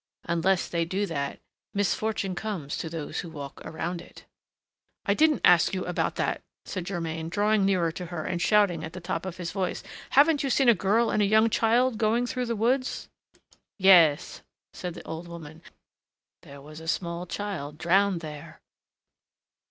Unless they do that, misfortune comes to those who walk around it." "I didn't ask you about that," said Germain, drawing nearer to her and shouting at the top of his voice: "Haven't you seen a girl and a young child going through the woods?" "Yes," said the old woman, "there was a small child drowned there!"